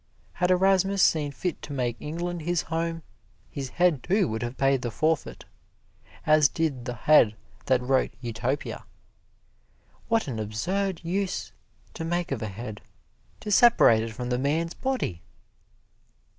Had Erasmus seen fit to make England his home, his head, too, would have paid the forfeit, as did the head that wrote "Utopia." What an absurd use to make of a head to separate it from the man's body!